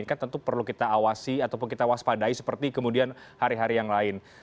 kan tentu perlu kita awasi ataupun kita waspadai seperti kemudian hari hari yang lain